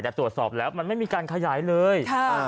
แต่ตรวจสอบแล้วมันไม่มีการขยายเลย